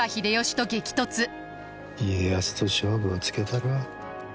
家康と勝負をつけたるわ。